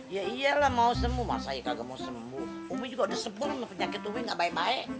ya iyalah mau sembuh masa ika gak mau sembuh umi juga udah sempurna penyakit umi gak baik baik